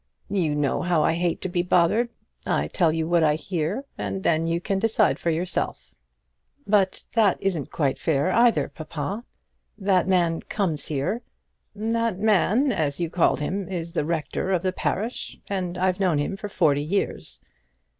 "You know how I hate to be bothered. I tell you what I hear, and then you can decide for yourself." "But that isn't quite fair either, papa. That man comes here " "That man, as you call him, is the rector of the parish, and I've known him for forty years."